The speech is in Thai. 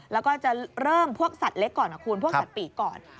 แล้วก็จะเริ่มพวกสัตว์เล็กก่อนนะคุณพวกสัตว์ปีกก่อน